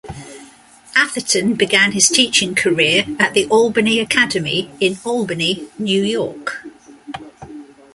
Atherton began his teaching career at The Albany Academy in Albany, New York.